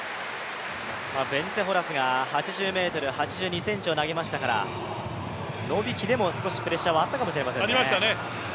ベンツェ・ホラスが８０ｍ８２ｃｍを投げましたから、ノビキでも少しプレッシャーはあったかもしれませんね。